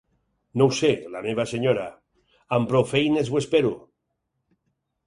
No ho sé, la meva senyora; amb prou feines ho espero.